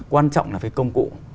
quan trọng là cái công cụ